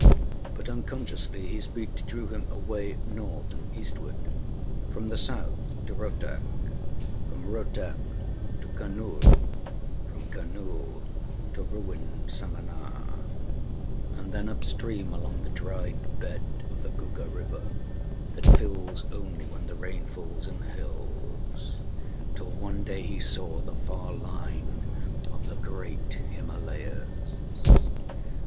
But unconsciously his feet drew him away northward and eastward; from the south to Rohtak; from Rohtak to Kurnool; from Kurnool to ruined Samanah, and then up stream along the dried bed of the Gugger river that fills only when the rain falls in the hills, till one day he saw the far line of the great Himalayas.